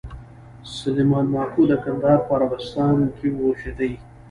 سلېمان ماکو د کندهار په ارغسان کښي اوسېدئ.